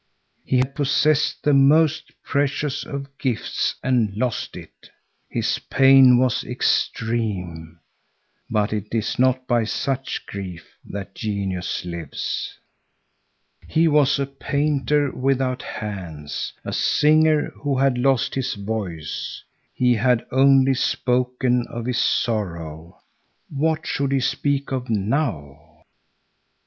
He had possessed the most precious of gifts and lost it. His pain was extreme.—But it is not by such grief that genius lives. He was a painter without hands, a singer who had lost his voice. He had only spoken of his sorrow. What should he speak of now?